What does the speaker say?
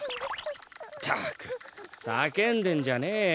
ったくさけんでんじゃねえよ。